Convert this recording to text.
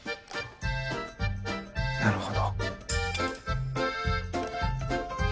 なるほど。